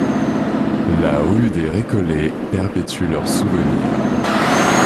La rue des Récollets perpétue leur souvenir.